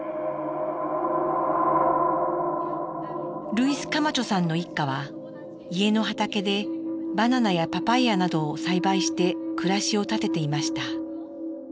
ルイス・カマチョさんの一家は家の畑でバナナやパパイアなどを栽培して暮らしを立てていました。